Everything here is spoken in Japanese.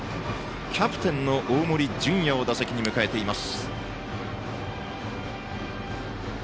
キャプテンの大森准弥を打席に迎えています。